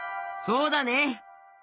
そうだね！